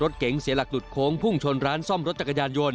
รถเก๋งเสียหลักหลุดโค้งพุ่งชนร้านซ่อมรถจักรยานยนต